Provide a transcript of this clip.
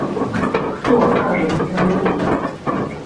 Хто адкажа за цяганіну?